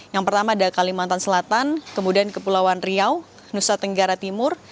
yang pertama ada kalimantan selatan kemudian kepulauan riau nusa tenggara timur